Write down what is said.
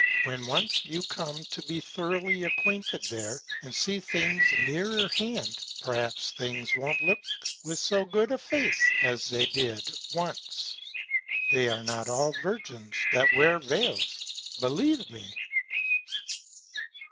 When once you come to be throughly acquainted there, and see Things nearer Hand, perhaps Things won't look with so good a Face as they did once. They are not all Virgins that wear Vails; believe me.